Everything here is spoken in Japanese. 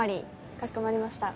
かしこまりました。